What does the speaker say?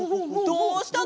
どうしたの！？